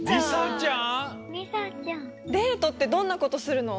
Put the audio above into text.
デートってどんなことするの？